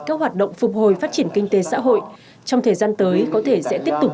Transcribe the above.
các hoạt động phục hồi phát triển kinh tế xã hội trong thời gian tới có thể sẽ tiếp tục